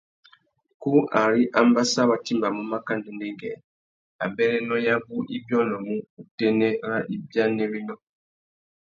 Kú ari ambassa wá timbamú maka ndêndêngüê, abérénô yabú i biônômú utênê râ ibianawénô.